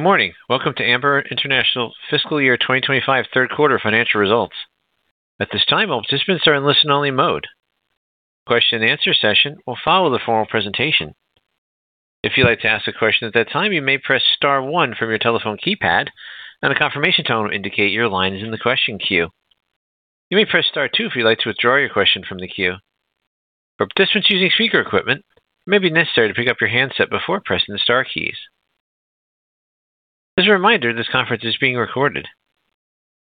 Good morning. Welcome to Amber International Holding Fiscal Year 2025 Third Quarter Financial Results. At this time, all participants are in listen-only mode. Question and answer session will follow the formal presentation. If you'd like to ask a question at that time, you may press star one from your telephone keypad, and a confirmation tone will indicate your line is in the question queue. You may press star two if you'd like to withdraw your question from the queue. For participants using speaker equipment, it may be necessary to pick up your handset before pressing the star keys. As a reminder, this conference is being recorded.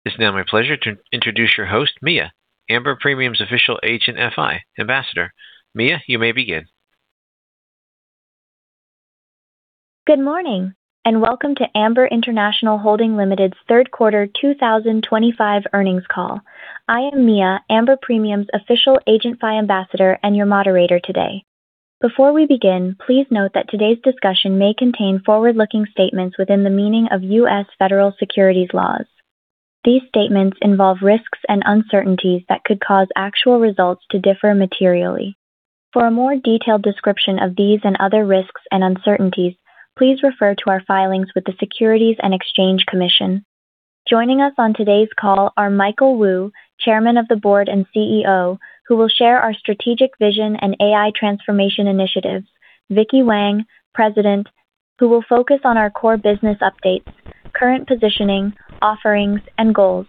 It's now my pleasure to introduce your host, Mia, Amber Premium's official H&FI ambassador. Mia, you may begin. Good morning, and welcome to Amber International Holding Limited's Third Quarter 2025 Earnings Call. I am Mia, Amber Premium's official H&FI ambassador and your moderator today. Before we begin, please note that today's discussion may contain forward-looking statements within the meaning of U.S. federal securities laws. These statements involve risks and uncertainties that could cause actual results to differ materially. For a more detailed description of these and other risks and uncertainties, please refer to our filings with the Securities and Exchange Commission. Joining us on today's call are Michael Wu, Chairman of the Board and CEO, who will share our strategic vision and AI transformation initiatives, Vicky Wang, President, who will focus on our core business updates, current positioning, offerings, and goals,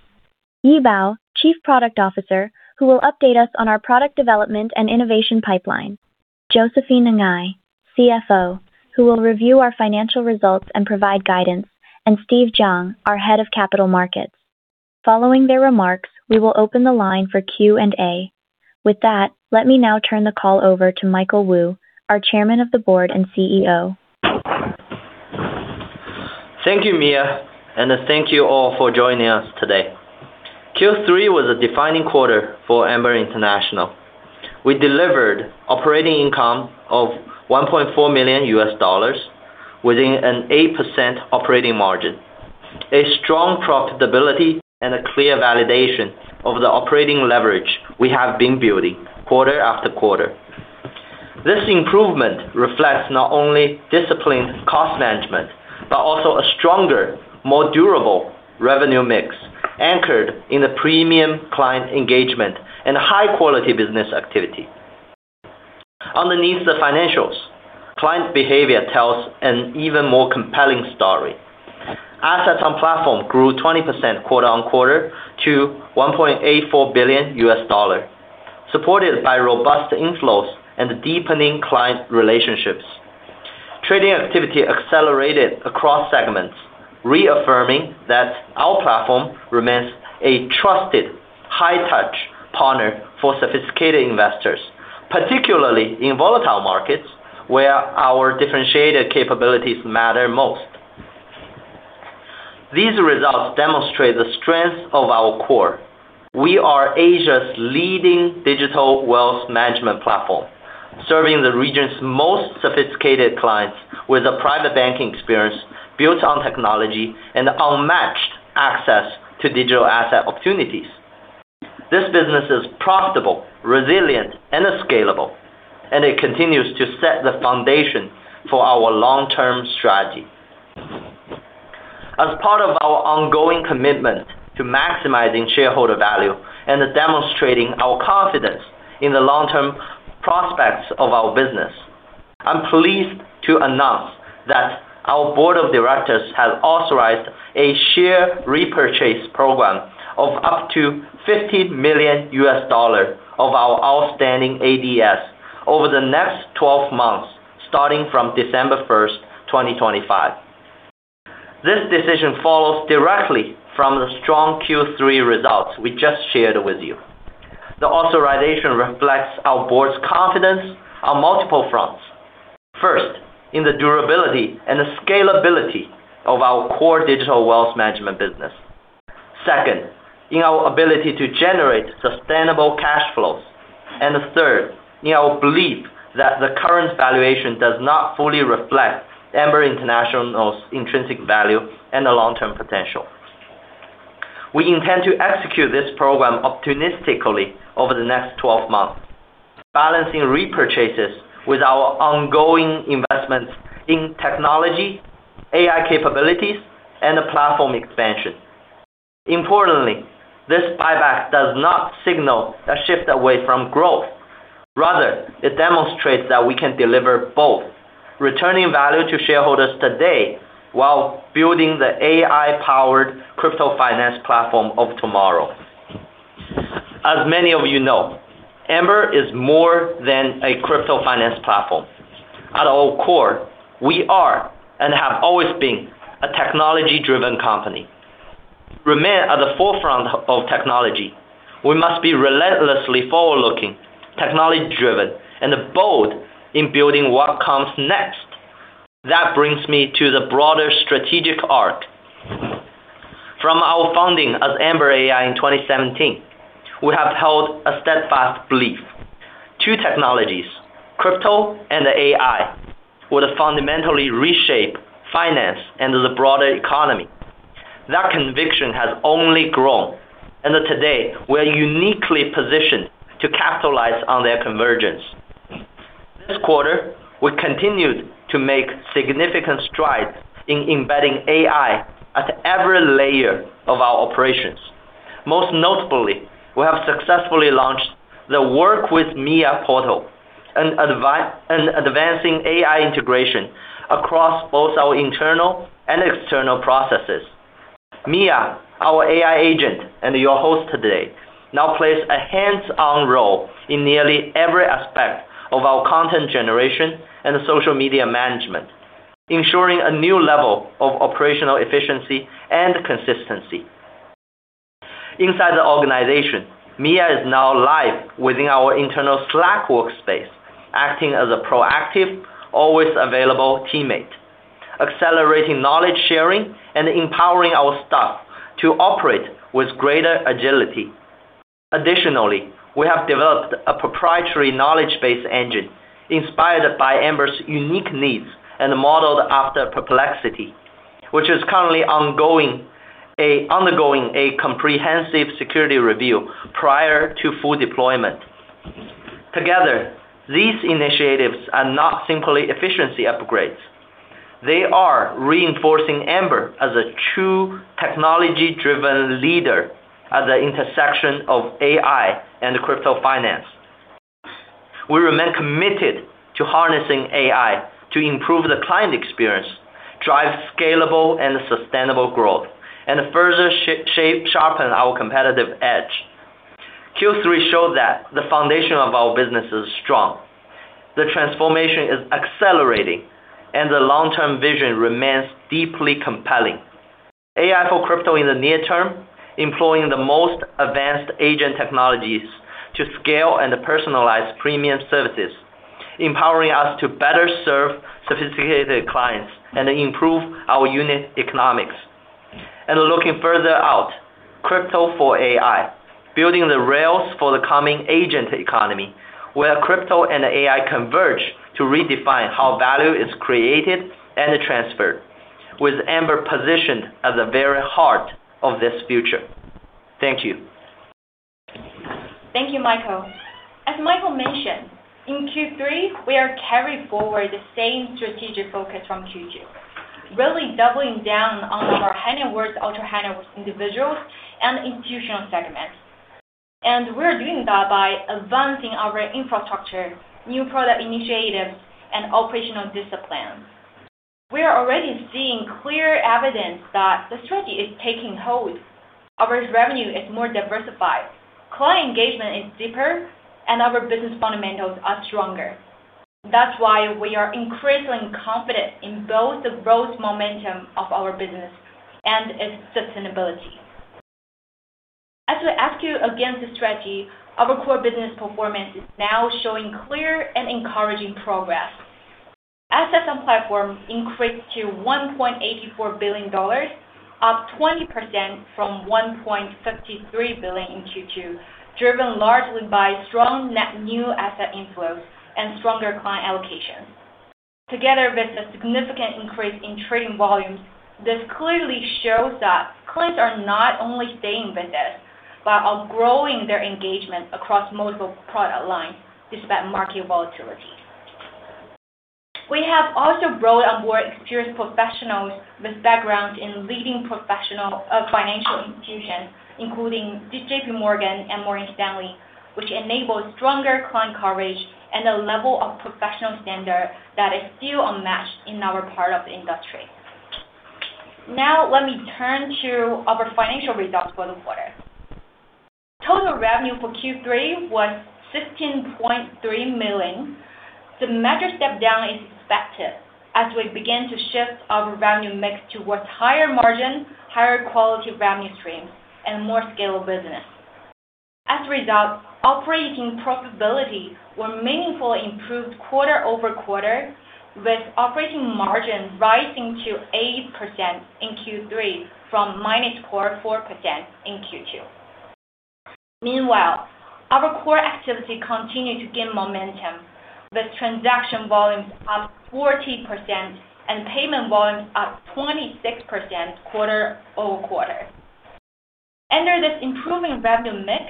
Yi Bao, Chief Product Officer, who will update us on our product development and innovation pipeline, Josephine Ngai, CFO, who will review our financial results and provide guidance, and Steve Jiang, our Head of Capital Markets. Following their remarks, we will open the line for Q&A. With that, let me now turn the call over to Michael Wu, our Chairman of the Board and CEO. Thank you, Mia, and thank you all for joining us today. Q3 was a defining quarter for Amber International. We delivered operating income of $1.4 million U.S. dollars within an 8% operating margin, a strong profitability, and a clear validation of the operating leverage we have been building quarter after quarter. This improvement reflects not only disciplined cost management but also a stronger, more durable revenue mix anchored in the premium client engagement and high-quality business activity. Underneath the financials, client behavior tells an even more compelling story. Assets on platform grew 20% quarter on quarter to $1.84 billion U.S. dollars, supported by robust inflows and deepening client relationships. Trading activity accelerated across segments, reaffirming that our platform remains a trusted, high-touch partner for sophisticated investors, particularly in volatile markets where our differentiated capabilities matter most. These results demonstrate the strength of our core. We are Asia's leading digital wealth management platform, serving the region's most sophisticated clients with a private banking experience built on technology and unmatched access to digital asset opportunities. This business is profitable, resilient, and scalable, and it continues to set the foundation for our long-term strategy. As part of our ongoing commitment to maximizing shareholder value and demonstrating our confidence in the long-term prospects of our business, I'm pleased to announce that our board of directors has authorized a share repurchase program of up to $15 million of our outstanding ADS over the next 12 months, starting from December 1, 2025. This decision follows directly from the strong Q3 results we just shared with you. The authorization reflects our board's confidence on multiple fronts. First, in the durability and the scalability of our core digital wealth management business. Second, in our ability to generate sustainable cash flows. Third, in our belief that the current valuation does not fully reflect Amber International's intrinsic value and the long-term potential. We intend to execute this program optimistically over the next 12 months, balancing repurchases with our ongoing investments in technology, AI capabilities, and the platform expansion. Importantly, this buyback does not signal a shift away from growth. Rather, it demonstrates that we can deliver both: returning value to shareholders today while building the AI-powered crypto finance platform of tomorrow. As many of you know, Amber is more than a crypto finance platform. At our core, we are and have always been a technology-driven company. To remain at the forefront of technology, we must be relentlessly forward-looking, technology-driven, and bold in building what comes next. That brings me to the broader strategic arc. From our founding as Amber AI in 2017, we have held a steadfast belief: two technologies, crypto and AI, will fundamentally reshape finance and the broader economy. That conviction has only grown, and today we are uniquely positioned to capitalize on that convergence. This quarter, we continued to make significant strides in embedding AI at every layer of our operations. Most notably, we have successfully launched the Work With Mia portal and advancing AI integration across both our internal and external processes. Mia, our AI agent and your host today, now plays a hands-on role in nearly every aspect of our content generation and social media management, ensuring a new level of operational efficiency and consistency. Inside the organization, Mia is now live within our internal Slack workspace, acting as a proactive, always-available teammate, accelerating knowledge sharing and empowering our staff to operate with greater agility. Additionally, we have developed a proprietary knowledge-based engine inspired by Amber's unique needs and modeled after Perplexity, which is currently undergoing a comprehensive security review prior to full deployment. Together, these initiatives are not simply efficiency upgrades. They are reinforcing Amber as a true technology-driven leader at the intersection of AI and crypto finance. We remain committed to harnessing AI to improve the client experience, drive scalable and sustainable growth, and further sharpen our competitive edge. Q3 showed that the foundation of our business is strong, the transformation is accelerating, and the long-term vision remains deeply compelling. AI for crypto in the near term, employing the most advanced agent technologies to scale and personalize premium services, empowering us to better serve sophisticated clients and improve our unit economics. Looking further out, crypto for AI, building the rails for the coming agent economy where crypto and AI converge to redefine how value is created and transferred, with Amber positioned at the very heart of this future. Thank you. Thank you, Michael. As Michael mentioned, in Q3, we are carrying forward the same strategic focus from Q2, really doubling down on our Ultra High Net Worth individuals and institutional segments. We are doing that by advancing our infrastructure, new product initiatives, and operational disciplines. We are already seeing clear evidence that the strategy is taking hold. Our revenue is more diversified, client engagement is deeper, and our business fundamentals are stronger. That is why we are increasingly confident in both the growth momentum of our business and its sustainability. As we execute against the strategy, our core business performance is now showing clear and encouraging progress. Assets on platform increased to $1.84 billion, up 20% from $1.53 billion in Q2, driven largely by strong net new asset inflows and stronger client allocations. Together with the significant increase in trading volumes, this clearly shows that clients are not only staying with us but are growing their engagement across multiple product lines despite market volatility. We have also brought on board experienced professionals with backgrounds in leading professional financial institutions, including J.P. Morgan and Morgan Stanley, which enables stronger client coverage and a level of professional standard that is still unmatched in our part of the industry. Now, let me turn to our financial results for the quarter. Total revenue for Q3 was $16.3 million. The major step down is expected as we begin to shift our revenue mix towards higher margins, higher quality revenue streams, and more scalable business. As a result, operating profitability was meaningfully improved quarter over quarter, with operating margin rising to 8% in Q3 from minus 0.4% in Q2. Meanwhile, our core activity continued to gain momentum, with transaction volumes up 40% and payment volumes up 26% quarter over quarter. Under this improving revenue mix,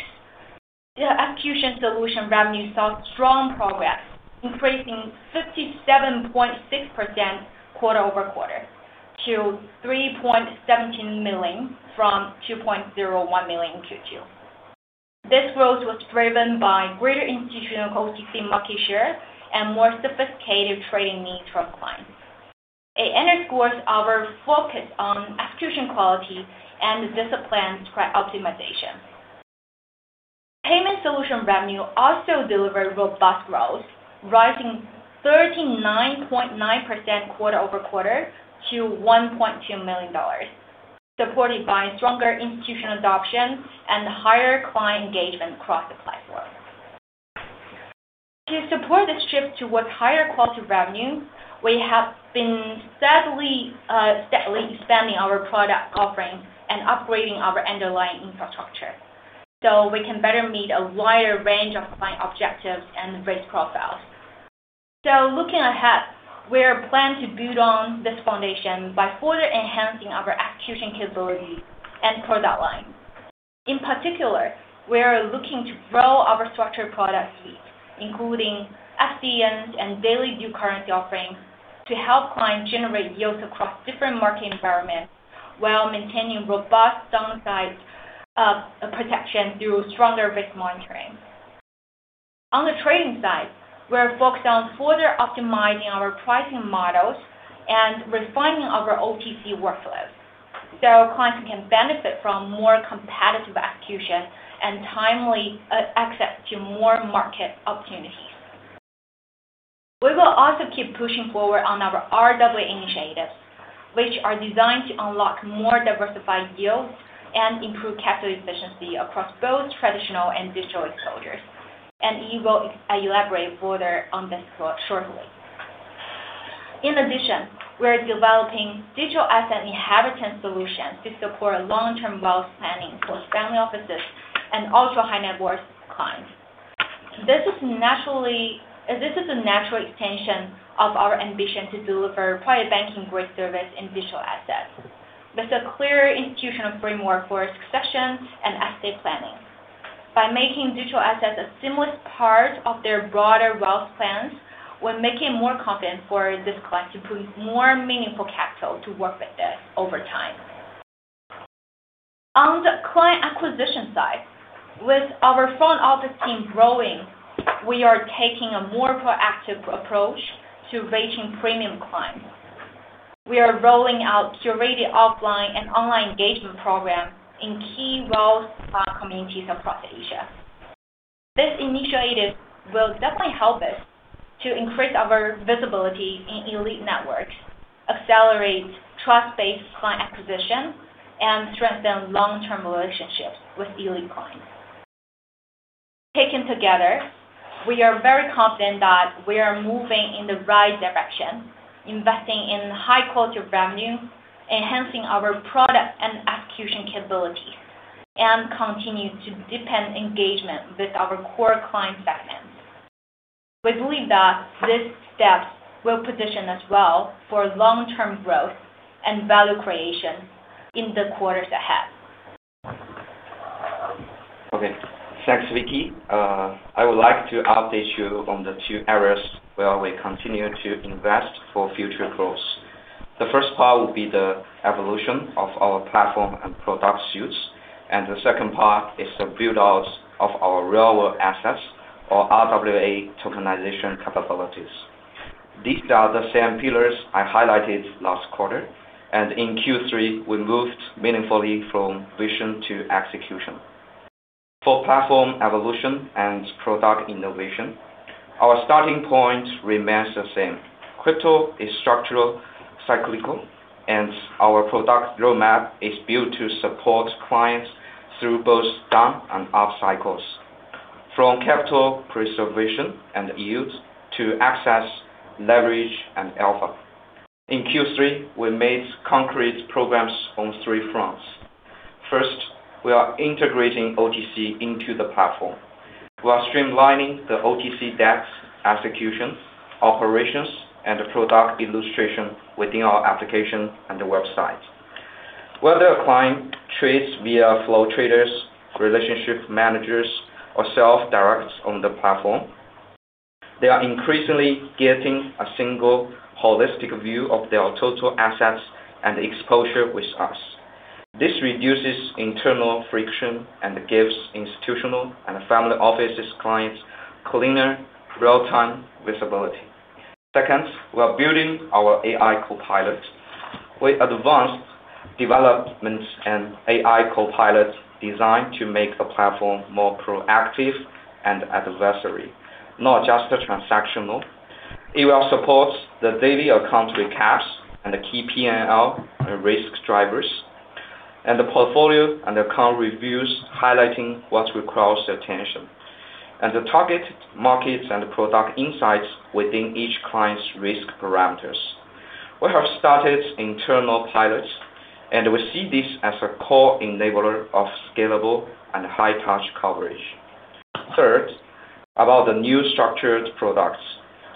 the Execution Solutions revenue saw strong progress, increasing 57.6% quarter over quarter to $3.17 million from $2.01 million in Q2. This growth was driven by greater institutional consistency, market share, and more sophisticated trading needs from clients. It underscores our focus on execution quality and disciplines for optimization. Payment Solutions revenue also delivered robust growth, rising 39.9% quarter over quarter to $1.2 million, supported by stronger institutional adoption and higher client engagement across the platform. To support this shift towards higher quality revenue, we have been steadily expanding our product offerings and upgrading our underlying infrastructure so we can better meet a wider range of client objectives and risk profiles. Looking ahead, we are planning to build on this foundation by further enhancing our execution capabilities and product lines. In particular, we are looking to grow our structured product suite, including FCNs and daily dual currency offerings, to help clients generate yields across different market environments while maintaining robust downside protection through stronger risk monitoring. On the trading side, we are focused on further optimizing our pricing models and refining our OTC workflows so clients can benefit from more competitive execution and timely access to more market opportunities. We will also keep pushing forward on our RWA initiatives, which are designed to unlock more diversified yields and improve capital efficiency across both traditional and digital exposures, and I will elaborate further on this shortly. In addition, we are developing digital asset inheritance solutions to support long-term wealth planning for family offices and Ultra High Net Worth clients. This is a natural extension of our ambition to deliver private banking growth service in digital assets with a clear institutional framework for succession and estate planning. By making digital assets a seamless part of their broader wealth plans, we're making it more confident for this client to bring more meaningful capital to work with us over time. On the client acquisition side, with our front office team growing, we are taking a more proactive approach to reaching premium clients. We are rolling out curated offline and online engagement programs in key wealth communities across Asia. This initiative will definitely help us to increase our visibility in elite networks, accelerate trust-based client acquisition, and strengthen long-term relationships with elite clients. Taken together, we are very confident that we are moving in the right direction, investing in high-quality revenue, enhancing our product and execution capabilities, and continuing to deepen engagement with our core client segments. We believe that these steps will position us well for long-term growth and value creation in the quarters ahead. Okay. Thanks, Vicky. I would like to update you on the two areas where we continue to invest for future growth. The first part will be the evolution of our platform and product suites, and the second part is the build-out of our real-world assets or RWA tokenization capabilities. These are the same pillars I highlighted last quarter, and in Q3, we moved meaningfully from vision to execution. For platform evolution and product innovation, our starting point remains the same. Crypto is structural, cyclical, and our product roadmap is built to support clients through both down and up cycles, from capital preservation and yields to access, leverage, and alpha. In Q3, we made concrete progress on three fronts. First, we are integrating OTC into the platform. We are streamlining the OTC desk's execution, operations, and product illustration within our application and website. Whether a client trades via Flow Traders, relationship managers, or self-directs on the platform, they are increasingly getting a single, holistic view of their total assets and exposure with us. This reduces internal friction and gives institutional and family offices clients cleaner, real-time visibility. Second, we are building our AI Copilot. We advanced developments in AI Copilot designed to make the platform more proactive and advisory, not just transactional. It will support the daily account recaps and the key P&L and risk drivers, and the portfolio and account reviews highlighting what requires attention, and the target markets and product insights within each client's risk parameters. We have started internal pilots, and we see this as a core enabler of scalable and high-touch coverage. Third, about the new structured products.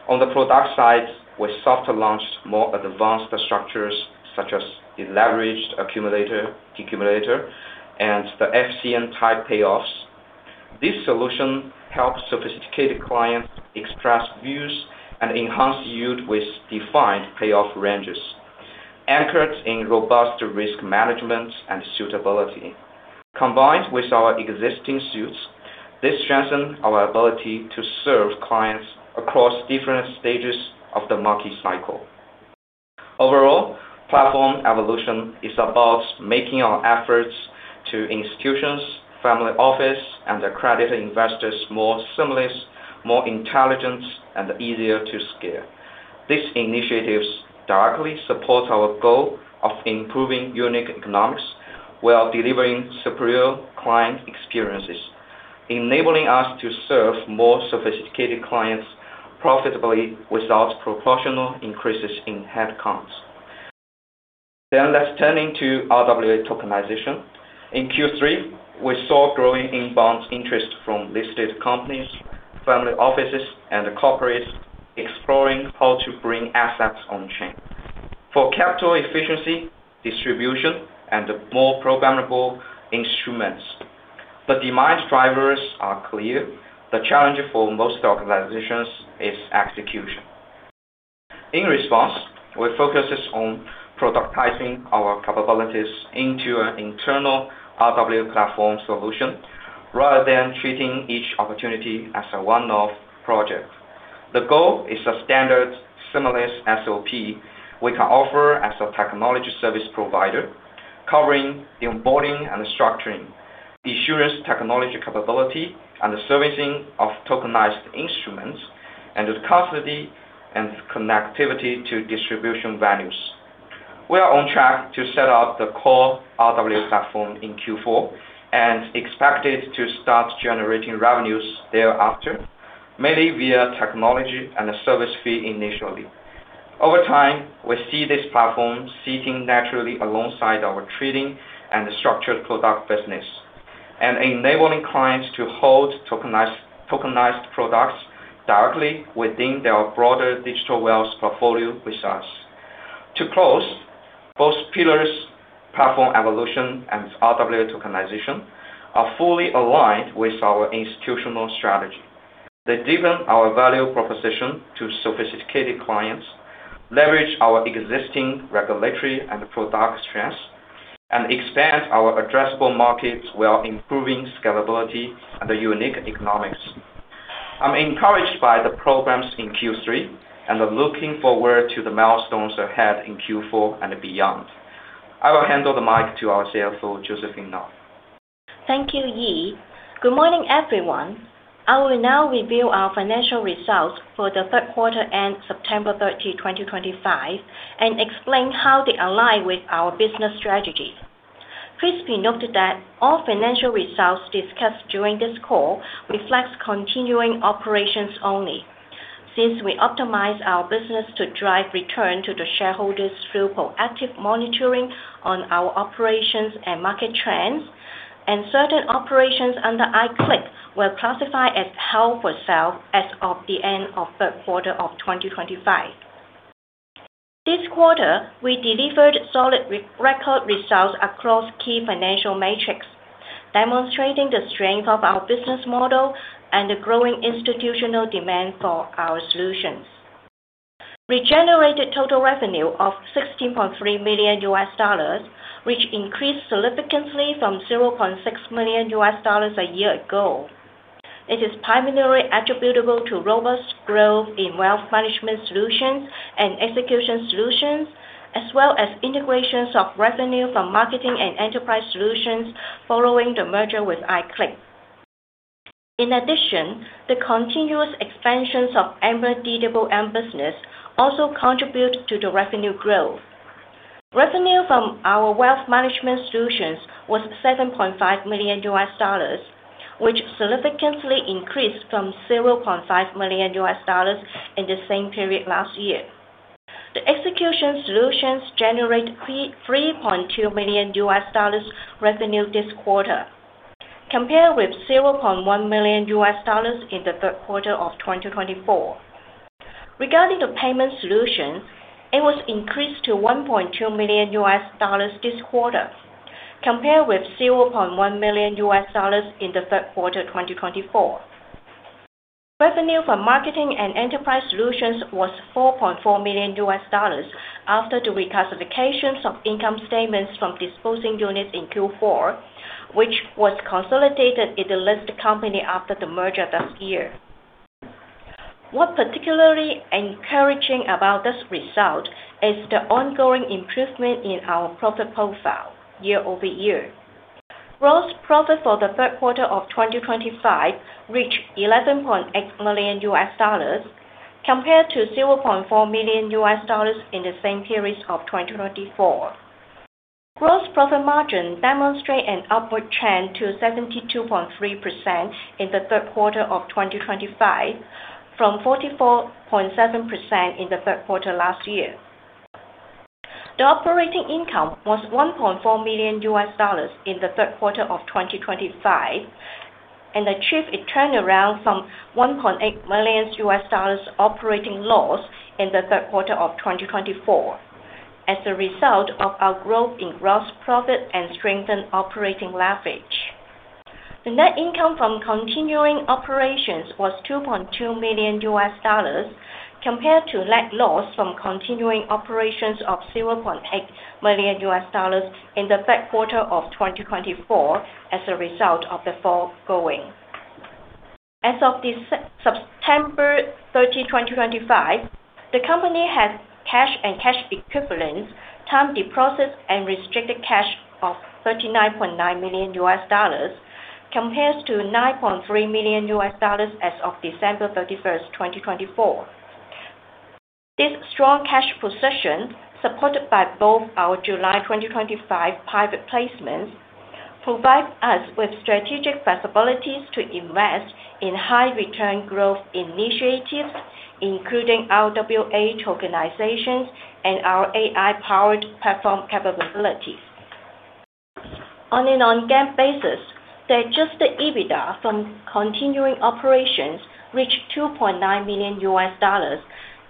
On the product side, we soft launched more advanced structures such as the Leveraged Accumulator, Leveraged Decumulator, and the FCN-type payoffs. This solution helps sophisticated clients express views and enhance yield with defined payoff ranges, anchored in robust risk management and suitability. Combined with our existing suites, this strengthens our ability to serve clients across different stages of the market cycle. Overall, platform evolution is about making our efforts to institutions, family offices, and accredited investors more seamless, more intelligent, and easier to scale. These initiatives directly support our goal of improving unit economics while delivering superior client experiences, enabling us to serve more sophisticated clients profitably without proportional increases in headcount. Let's turn to RWA tokenization. In Q3, we saw growing inbound interest from listed companies, family offices, and corporates exploring how to bring assets on-chain for capital efficiency, distribution, and more programmable instruments. The demand drivers are clear. The challenge for most organizations is execution. In response, we focus on productizing our capabilities into an internal RWA platform solution rather than treating each opportunity as a one-off project. The goal is a standard seamless SOP we can offer as a technology service provider, covering onboarding and structuring, insurance technology capability, and the servicing of tokenized instruments, and the cost and connectivity to distribution venues. We are on track to set up the core RWA platform in Q4 and expect it to start generating revenues thereafter, mainly via technology and service fee initially. Over time, we see this platform sitting naturally alongside our trading and structured product business and enabling clients to hold tokenized products directly within their broader digital wealth portfolio with us. To close, both pillars, platform evolution and RWA tokenization, are fully aligned with our institutional strategy. They deepen our value proposition to sophisticated clients, leverage our existing regulatory and product strengths, and expand our addressable markets while improving scalability and unique economics. I'm encouraged by the programs in Q3 and looking forward to the milestones ahead in Q4 and beyond. I will handle the mic to our CFO, Josephine Ngai. Thank you, Yi. Good morning, everyone. I will now reveal our financial results for the third quarter end, September 30, 2025, and explain how they align with our business strategy. Please be noted that all financial results discussed during this call reflect continuing operations only. Since we optimize our business to drive return to the shareholders through proactive monitoring on our operations and market trends, and certain operations under I-CLIC were classified as held for sale as of the end of third quarter of 2025. This quarter, we delivered solid record results across key financial metrics, demonstrating the strength of our business model and the growing institutional demand for our solutions. We generated total revenue of $16.3 million, which increased significantly from $0.6 million a year ago. It is primarily attributable to robust growth in wealth management solutions and execution solutions, as well as integrations of revenue from marketing and enterprise solutions following the merger with I-CLIC. In addition, the continuous expansions of Amber De D'Haese business also contribute to the revenue growth. Revenue from our wealth management solutions was $7.5 million, which significantly increased from $0.5 million in the same period last year. The execution solutions generated $3.2 million revenue this quarter, compared with $0.1 million in the third quarter of 2024. Regarding the payment solutions, it was increased to $1.2 million this quarter, compared with $0.1 million in the third quarter 2024. Revenue from marketing and enterprise solutions was $4.4 million after the reclassifications of income statements from disposing units in Q4, which was consolidated in the listed company after the merger last year. What's particularly encouraging about this result is the ongoing improvement in our profit profile year-over-year. Gross profit for the third quarter of 2025 reached $11.8 million, compared to $0.4 million in the same period of 2024. Gross profit margin demonstrated an upward trend to 72.3% in the third quarter of 2025, from 44.7% in the third quarter last year. The operating income was $1.4 million in the third quarter of 2025, and achieved a turnaround from $1.8 million operating loss in the third quarter of 2024 as a result of our growth in gross profit and strengthened operating leverage. The net income from continuing operations was $2.2 million, compared to net loss from continuing operations of $0.8 million in the third quarter of 2024 as a result of the foregoing. As of September 30, 2025, the company has cash and cash equivalents, timed deposits, and restricted cash of $39.9 million, compared to $9.3 million as of December 31, 2024. This strong cash position, supported by both our July 2025 private placements, provides us with strategic possibilities to invest in high-return growth initiatives, including RWA tokenizations and our AI-powered platform capabilities. On an on-game basis, the adjusted EBITDA from continuing operations reached $2.9 million,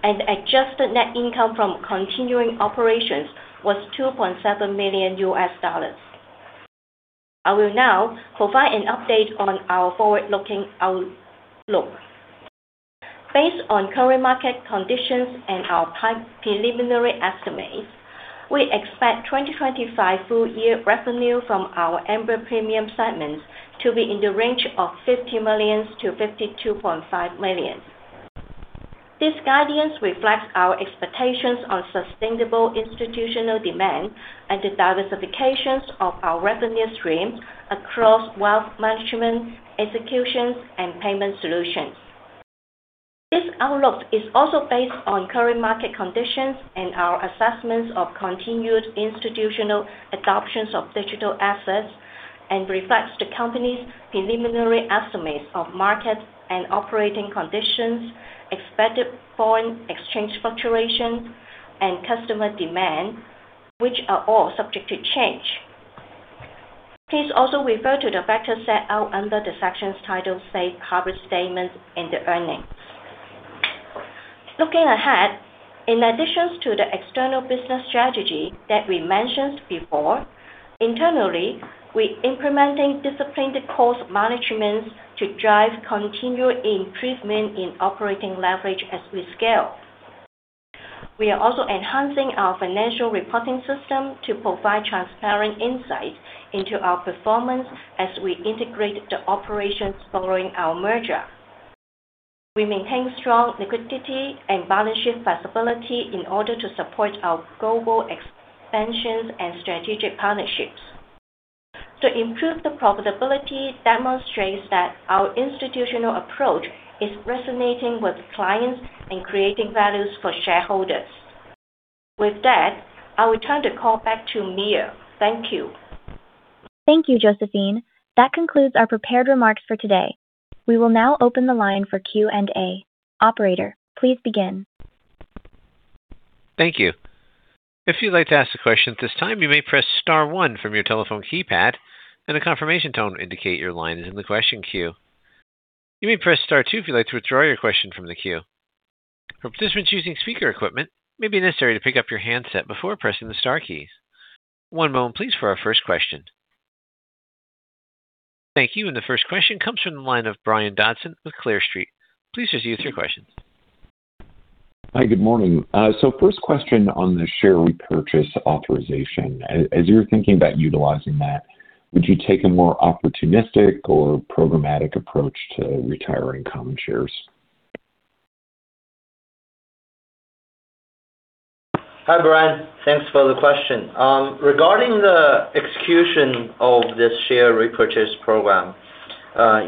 and the adjusted net income from continuing operations was $2.7 million. I will now provide an update on our forward-looking outlook. Based on current market conditions and our preliminary estimates, we expect 2025 full-year revenue from our Amber Premium segments to be in the range of $50 million-$52.5 million. This guidance reflects our expectations on sustainable institutional demand and the diversification of our revenue streams across wealth management, execution solutions, and payment solutions. This outlook is also based on current market conditions and our assessments of continued institutional adoption of digital assets and reflects the company's preliminary estimates of market and operating conditions, expected foreign exchange fluctuations, and customer demand, which are all subject to change. Please also refer to the factors set out under the sections titled Safe Harbor Statements and the Earnings. Looking ahead, in addition to the external business strategy that we mentioned before, internally, we are implementing disciplined cost management to drive continued improvement in operating leverage as we scale. We are also enhancing our financial reporting system to provide transparent insights into our performance as we integrate the operations following our merger. We maintain strong liquidity and balance sheet flexibility in order to support our global expansions and strategic partnerships. To improve the profitability demonstrates that our institutional approach is resonating with clients and creating values for shareholders. With that, I will turn the call back to Mia. Thank you. Thank you, Josephine. That concludes our prepared remarks for today. We will now open the line for Q&A. Operator, please begin. Thank you. If you'd like to ask a question at this time, you may press Star 1 from your telephone keypad and a confirmation tone to indicate your line is in the question queue. You may press Star 2 if you'd like to withdraw your question from the queue. For participants using speaker equipment, it may be necessary to pick up your handset before pressing the Star keys. One moment, please, for our first question. Thank you. The first question comes from the line of Brian Dodson with Clear Street. Please proceed with your questions. Hi, good morning. First question on the share repurchase authorization. As you're thinking about utilizing that, would you take a more opportunistic or programmatic approach to retiring common shares? Hi, Brian. Thanks for the question. Regarding the execution of this share repurchase program, I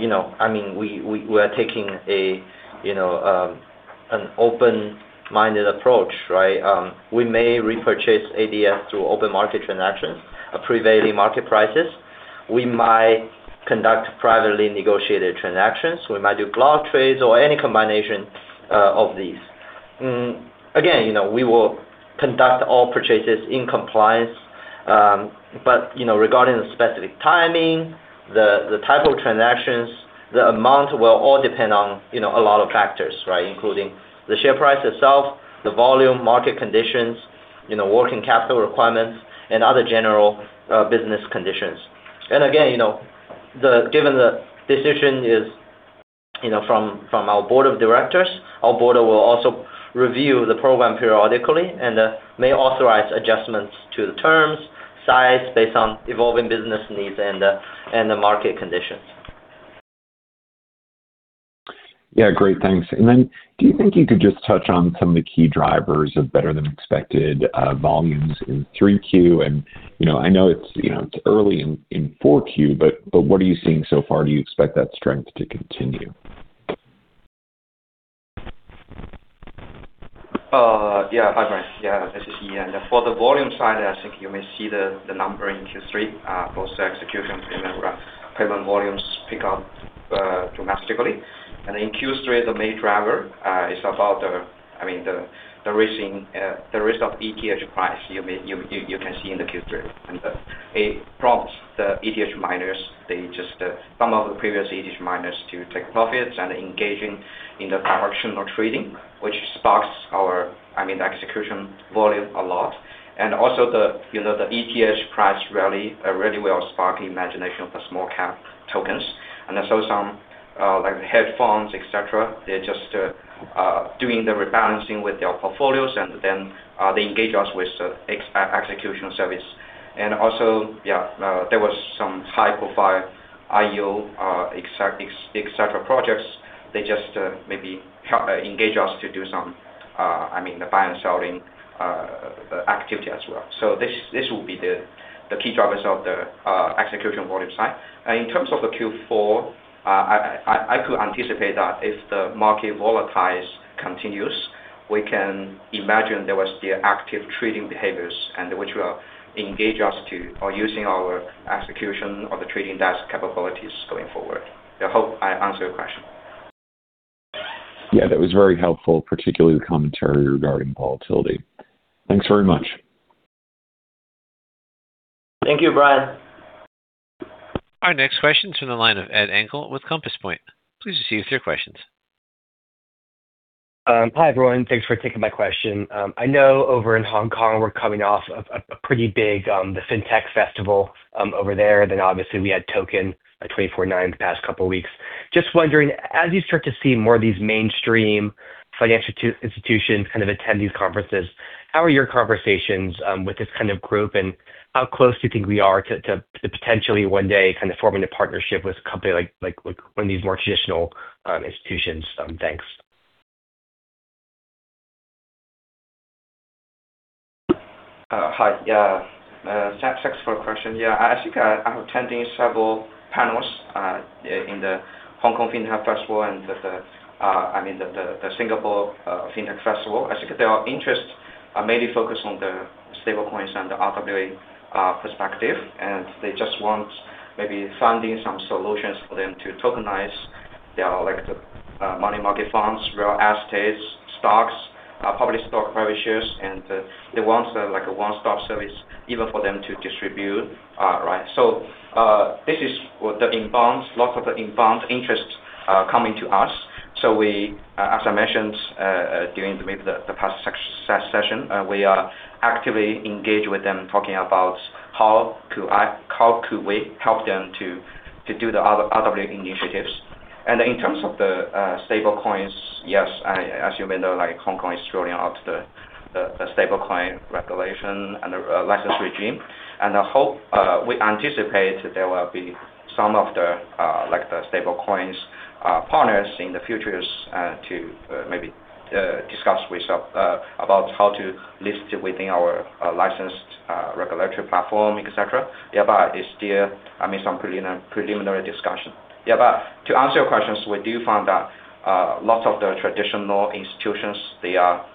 mean, we are taking an open-minded approach, right? We may repurchase ADS through open market transactions at prevailing market prices. We might conduct privately negotiated transactions. We might do block trades or any combination of these. Again, we will conduct all purchases in compliance, but regarding the specific timing, the type of transactions, the amount will all depend on a lot of factors, right, including the share price itself, the volume, market conditions, working capital requirements, and other general business conditions. Again, given the decision is from our board of directors, our board will also review the program periodically and may authorize adjustments to the terms, size based on evolving business needs and the market conditions. Yeah, great. Thanks. Do you think you could just touch on some of the key drivers of better-than-expected volumes in 3Q? I know it's early in 4Q, but what are you seeing so far? Do you expect that strength to continue? Yeah, hi, Brian. Yeah, this is Yi. And for the volume side, I think you may see the number in Q3, both the execution and payment volumes pick up dramatically. In Q3, the main driver is about, I mean, the risk of ETH price. You can see in the Q3. It prompts the ETH miners, some of the previous ETH miners, to take profits and engage in the directional trading, which sparks our, I mean, execution volume a lot. Also, the ETH price rally really well sparked the imagination of the small-cap tokens. Some hedge funds, etc., they're just doing the rebalancing with their portfolios, and then they engage us with execution service. Also, yeah, there were some high-profile IEO, etc., projects. They just maybe engage us to do some, I mean, the buy and selling activity as well. This will be the key drivers of the execution volume side. In terms of the Q4, I could anticipate that if the market volatiles continue, we can imagine there will still be active trading behaviors which will engage us to or using our execution or the trading desk capabilities going forward. I hope I answered your question. Yeah, that was very helpful, particularly the commentary regarding volatility. Thanks very much. Thank you, Brian. Our next question is from the line of Ed Engel with Compass Point. Please proceed with your questions. Hi, everyone. Thanks for taking my question. I know over in Hong Kong, we're coming off of a pretty big FinTech festival over there. Obviously, we had Token 24/9 the past couple of weeks. Just wondering, as you start to see more of these mainstream financial institutions kind of attend these conferences, how are your conversations with this kind of group, and how close do you think we are to potentially one day kind of forming a partnership with a company like one of these more traditional institutions? Thanks. Hi, yeah. Thanks for the question. Yeah, I think I have attended several panels in the Hong Kong FinTech Festival and, I mean, the Singapore FinTech Festival. I think their interests are mainly focused on the stablecoins and the RWA perspective, and they just want maybe finding some solutions for them to tokenize their money market funds, real estate, stocks, public stock, private shares, and they want a one-stop service even for them to distribute, right? This is what the inbound, lots of the inbound interest coming to us. As I mentioned during maybe the past session, we are actively engaged with them talking about how could we help them to do the RWA initiatives. In terms of the stablecoins, yes, as you may know, Hong Kong is scrolling out the stablecoin regulation and license regime. I hope we anticipate there will be some of the stablecoin partners in the future to maybe discuss with about how to list within our licensed regulatory platform, etc. Yeah, but it's still, I mean, some preliminary discussion. Yeah, but to answer your questions, we do find that lots of the traditional institutions, they are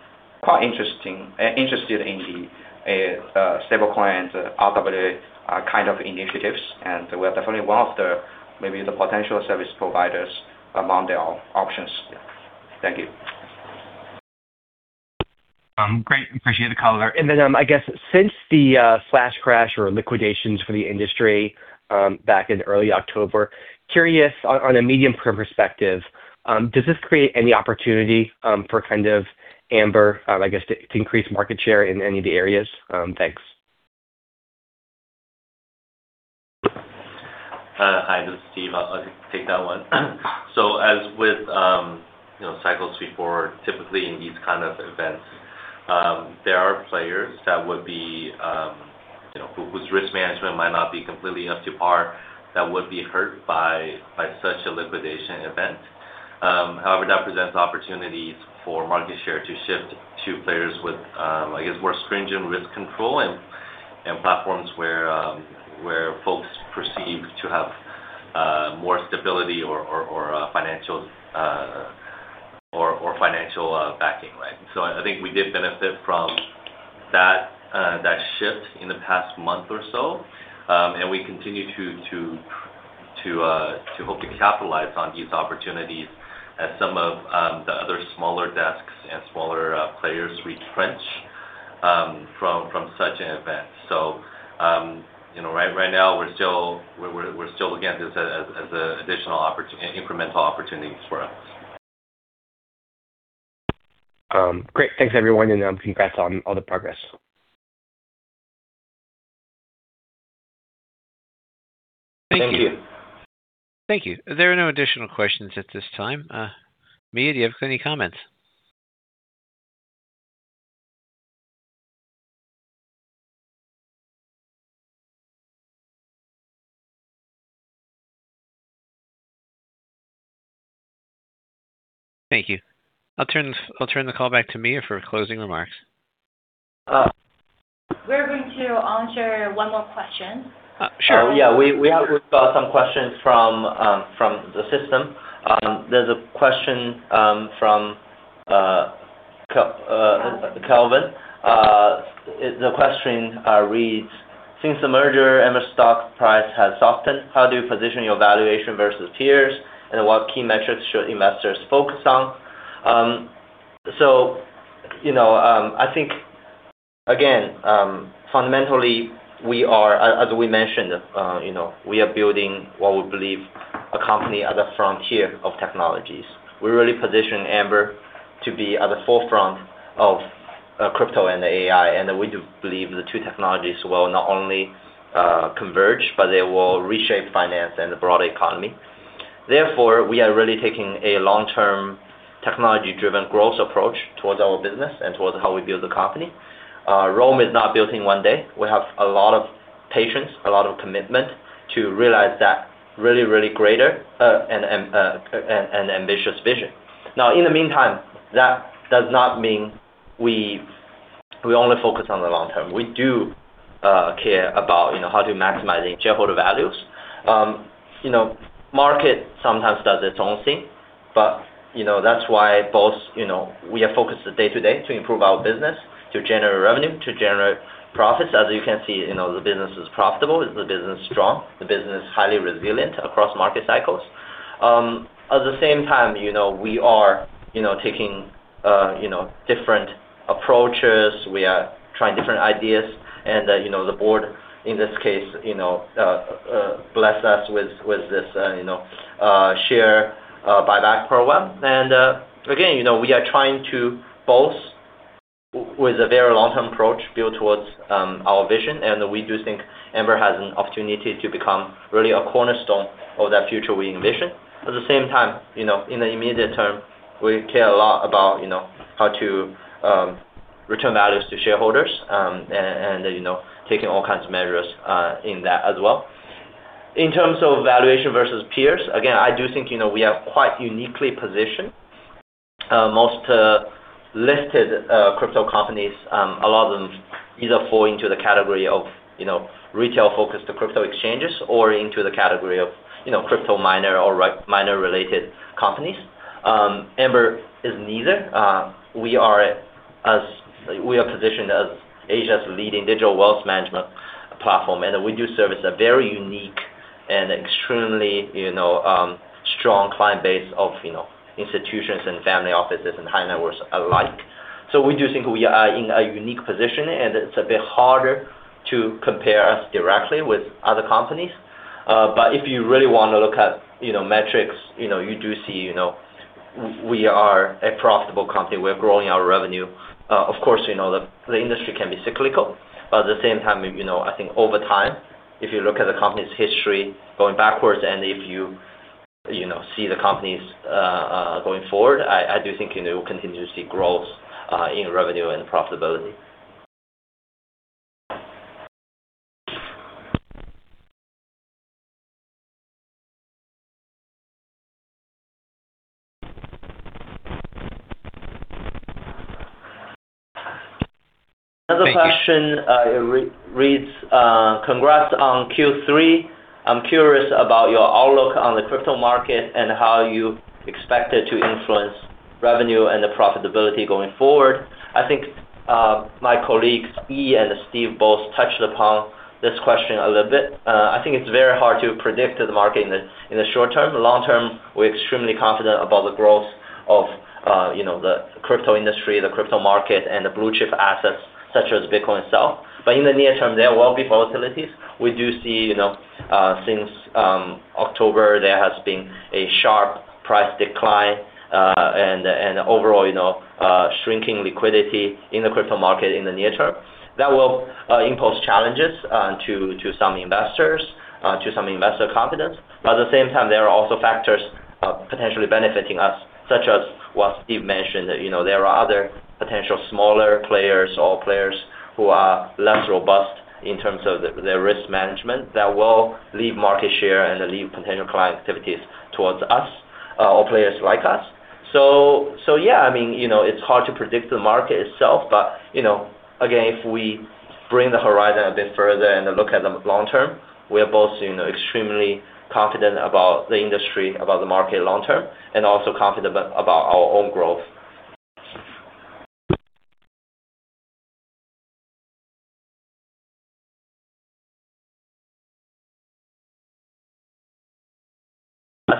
quite interested in the stablecoin and RWA kind of initiatives, and we are definitely one of maybe the potential service providers among their options. Thank you. Great. Appreciate the call. I guess since the flash crash or liquidations for the industry back in early October, curious on a medium-term perspective, does this create any opportunity for kind of Amber, I guess, to increase market share in any of the areas? Thanks. Hi, this is Steve. I'll take that one. As with cycles before, typically in these kind of events, there are players whose risk management might not be completely up to par that would be hurt by such a liquidation event. However, that presents opportunities for market share to shift to players with, I guess, more stringent risk control and platforms where folks perceive to have more stability or financial backing, right? I think we did benefit from that shift in the past month or so, and we continue to hope to capitalize on these opportunities as some of the other smaller desks and smaller players retrench from such an event. Right now, we're still looking at this as an additional incremental opportunity for us. Great. Thanks, everyone, and congrats on all the progress. Thank you. Thank you. Thank you. There are no additional questions at this time. Mia, do you have any comments? Thank you. I'll turn the call back to Mia for closing remarks. We're going to answer one more question. Sure. Yeah, we have some questions from the system. There's a question from Kelvin. The question reads, "Since the merger, Amber stock price has softened, how do you position your valuation versus peers, and what key metrics should investors focus on?" I think, again, fundamentally, as we mentioned, we are building what we believe a company at the frontier of technologies. We really position Amber to be at the forefront of crypto and AI, and we do believe the two technologies will not only converge, but they will reshape finance and the broader economy. Therefore, we are really taking a long-term technology-driven growth approach towards our business and towards how we build the company. Rome is not built in one day. We have a lot of patience, a lot of commitment to realize that really, really greater and ambitious vision. Now, in the meantime, that does not mean we only focus on the long term. We do care about how to maximize shareholder values. Market sometimes does its own thing, but that's why both we are focused day to day to improve our business, to generate revenue, to generate profits. As you can see, the business is profitable. The business is strong. The business is highly resilient across market cycles. At the same time, we are taking different approaches. We are trying different ideas, and the board, in this case, blessed us with this share buyback program. Again, we are trying to both, with a very long-term approach, build towards our vision, and we do think Amber has an opportunity to become really a cornerstone of that future we envision. At the same time, in the immediate term, we care a lot about how to return values to shareholders and taking all kinds of measures in that as well. In terms of valuation versus peers, again, I do think we are quite uniquely positioned. Most listed crypto companies, a lot of them either fall into the category of retail-focused crypto exchanges or into the category of crypto miner or miner-related companies. Amber is neither. We are positioned as Asia's leading digital wealth management platform, and we do service a very unique and extremely strong client base of institutions and family offices and high networks alike. We do think we are in a unique position, and it's a bit harder to compare us directly with other companies. If you really want to look at metrics, you do see we are a profitable company. We're growing our revenue. Of course, the industry can be cyclical, but at the same time, I think over time, if you look at the company's history going backwards and if you see the companies going forward, I do think you will continue to see growth in revenue and profitability. Another question reads, "Congrats on Q3. I'm curious about your outlook on the crypto market and how you expect it to influence revenue and the profitability going forward." I think my colleagues Yi and Steve both touched upon this question a little bit. I think it's very hard to predict the market in the short term. Long term, we're extremely confident about the growth of the crypto industry, the crypto market, and the blue-chip assets such as Bitcoin itself. In the near term, there will be volatilities. We do see since October, there has been a sharp price decline and overall shrinking liquidity in the crypto market in the near term. That will impose challenges to some investors, to some investor confidence. At the same time, there are also factors potentially benefiting us, such as what Steve mentioned, that there are other potential smaller players or players who are less robust in terms of their risk management that will leave market share and leave potential client activities towards us or players like us. Yeah, I mean, it's hard to predict the market itself, but again, if we bring the horizon a bit further and look at the long term, we are both extremely confident about the industry, about the market long term, and also confident about our own growth.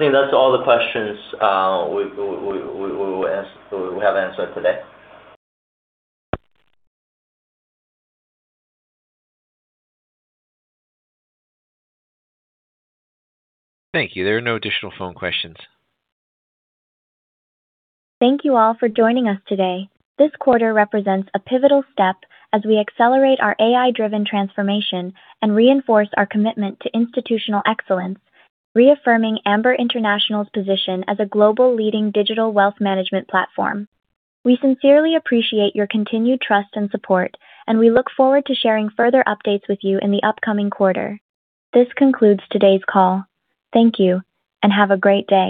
I think that's all the questions we have answered today. Thank you. There are no additional phone questions. Thank you all for joining us today. This quarter represents a pivotal step as we accelerate our AI-driven transformation and reinforce our commitment to institutional excellence, reaffirming Amber International Holding Limited's position as a global leading digital wealth management platform. We sincerely appreciate your continued trust and support, and we look forward to sharing further updates with you in the upcoming quarter. This concludes today's call. Thank you, and have a great day.